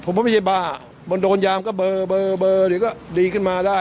ผมไม่ใช่ขุมบ้าโดนยามก็เบอร์ก็ดีขึ้นมาได้